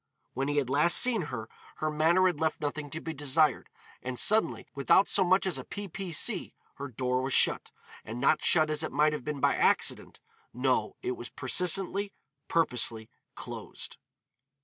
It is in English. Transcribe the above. When he had last seen her, her manner had left nothing to be desired, and suddenly, without so much as a p. p. c., her door was shut, and not shut as it might have been by accident; no, it was persistently, purposely closed.